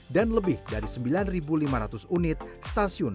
dan lebih dari sembilan lima ratus stasiun